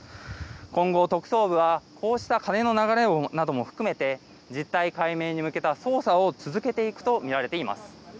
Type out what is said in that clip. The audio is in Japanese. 今後、特捜部はこうした金の流れも含めて実態解明に向けた捜査を続けていくとみられています。